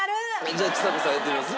じゃあちさ子さんやってみます？